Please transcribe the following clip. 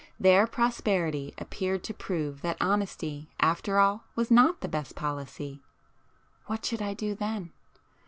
Their prosperity appeared to prove that honesty after all was not the best policy. What should I do then?